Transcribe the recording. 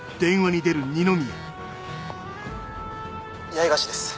八重樫です